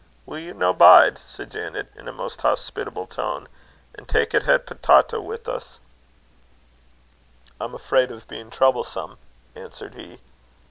"Will ye no bide," said Janet, in a most hospitable tone, "an' tak' a het pitawta wi' us?" "I'm afraid of being troublesome," answered he.